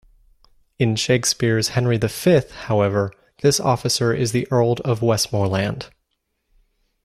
In Shakespeare's "Henry the Fifth," however, this officer is the Earl of Westmoreland.